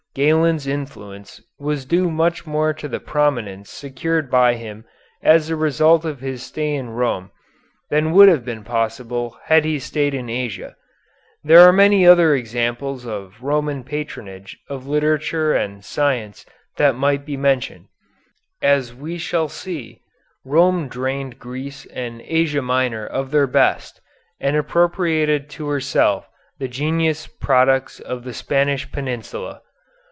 Galen's influence was due much more to the prominence secured by him as the result of his stay in Rome than would have been possible had he stayed in Asia. There are many other examples of Roman patronage of literature and science that might be mentioned. As we shall see, Rome drained Greece and Asia Minor of their best, and appropriated to herself the genius products of the Spanish Peninsula.